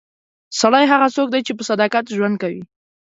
سړی هغه څوک دی چې په صداقت ژوند کوي.